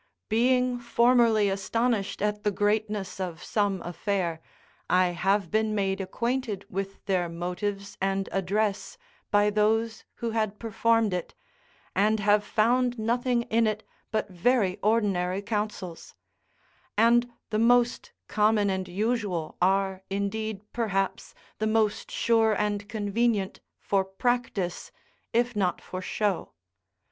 Being formerly astonished at the greatness of some affair, I have been made acquainted with their motives and address by those who had performed it, and have found nothing in it but very ordinary counsels; and the most common and usual are indeed, perhaps, the most sure and convenient for practice, if not for show.